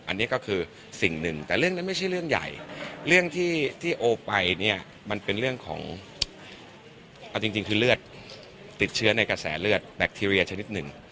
อันนี้ก็คือสิ่งหนึ่งแต่เรื่องนั้นไม่ใช่เรื่องใหญ่เรื่องที่โอไปเนี่ยมันเป็นเรื่องของเอาจริงคือเลือดติดเชื้อในกระแสเลือดแบคทีเรียชนิดหนึ่ง